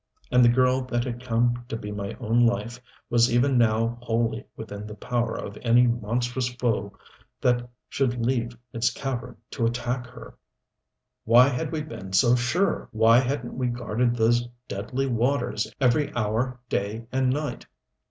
And the girl that had come to be my own life was even now wholly within the power of any monstrous foe that should leave its cavern to attack her. Why had we been so sure! Why hadn't we guarded those deadly waters every hour, day and night.